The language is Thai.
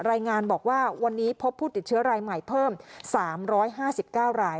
รายงานบอกว่าวันนี้พบผู้ติดเชื้อรายใหม่เพิ่มสามร้อยห้าสิบเก้าราย